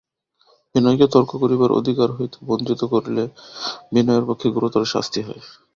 বিনয়কে তর্ক করিবার অধিকার হইতে বঞ্চিত করিলে বিনয়ের পক্ষে গুরুতর শাস্তি হয়।